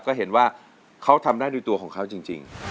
ก็เห็นว่าเขาทำได้ด้วยตัวของเขาจริง